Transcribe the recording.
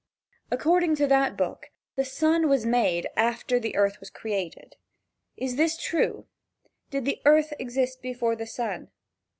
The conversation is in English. According to that book the sun was made after the earth was created. Is this true? Did the earth exist before the sun?